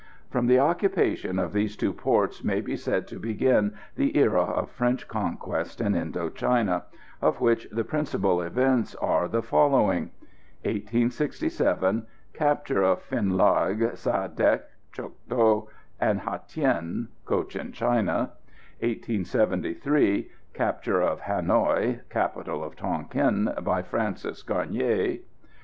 From the occupation of these two ports may be said to begin the era of French conquest in Indo China, of which the principal events are the following: 1867. Capture of Finh Larg, Sa dec, Cho doc and Hatien (Cochin China). 1873. Capture of Hanoï (capital of Tonquin) by Francis Garnier. 1879.